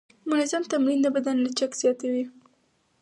منظم تمرین د بدن لچک زیاتوي.